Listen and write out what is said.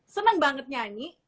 seneng banget nyanyi